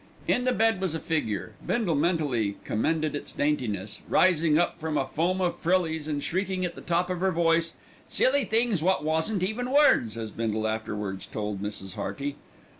In the bed was a figure, Bindle mentally commended its daintiness, rising up from a foam of frillies and shrieking at the top of her voice "silly things wot wasn't even words," as Bindle afterwards told Mrs. Hearty.